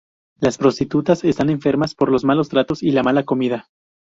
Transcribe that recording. Las prostitutas están enfermas por los malos tratos y la mala comida.